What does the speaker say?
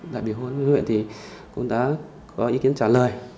đại biểu hội huyện thì cũng đã có ý kiến trả lời